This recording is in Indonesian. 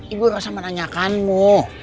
ibu rosa menanyakanmu